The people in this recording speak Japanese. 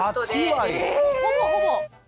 ほぼほぼ。